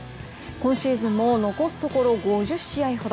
今シーズンも残すところ５０試合ほど。